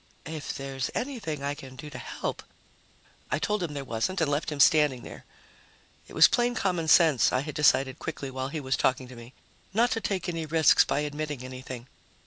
"If there's anything I can do to help " I told him there wasn't and left him standing there. It was plain common sense, I had decided quickly while he was talking to me, not to take any risks by admitting anything.